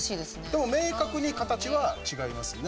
でも明確に形は違いますね。